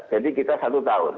jadi kita satu tahun